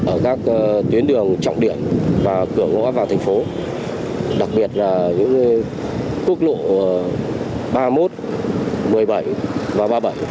ở các tuyến đường trọng điểm và cửa ngõ vào thành phố đặc biệt là những quốc lộ ba mươi một một mươi bảy và ba mươi bảy